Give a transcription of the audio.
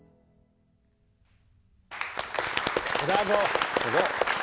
すごい！